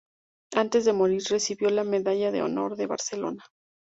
Antes de morir recibió la Medalla de Honor de Barcelona.